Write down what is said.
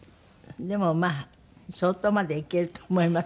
でもまあ相当まだいけると思いますよ。